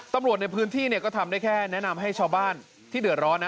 ตำรวจในพื้นที่ก็ทำได้แค่แนะนำให้ชาวบ้านที่เดือดร้อนนะ